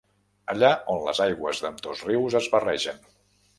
Allà on les aigües d'ambdós rius es barregen.